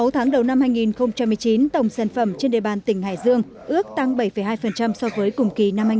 sáu tháng đầu năm hai nghìn một mươi chín tổng sản phẩm trên đề bàn tỉnh hải dương ước tăng bảy hai so với cùng kỳ năm